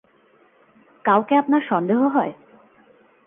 কাউকে আপনার সন্দেহ হয়?